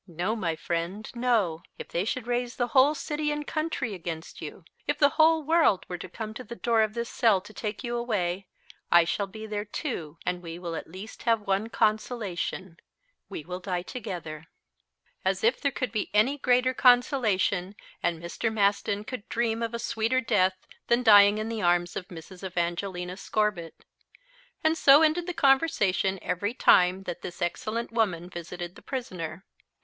No, my friend, no. If they should raise the whole city and country against you if the whole world would come to the door of this cell to take you away, I shall be there, too, and we will at least have one consolation we will die together." As if there could be any greater consolation and Mr. Maston could dream of a sweeter death than dying in the arms of Mrs. Evangelina Scorbitt! And so ended the conversation every time that this excellent woman visited the prisoner.